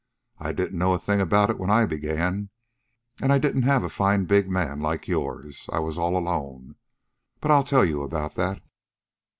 I didn't know a thing about it when I began, and I didn't have a fine big man like yours. I was all alone. But I'll tell you about that."